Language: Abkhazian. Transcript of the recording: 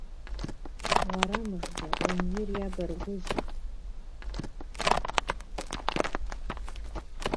Уара мыжда, умир иабаргәызи!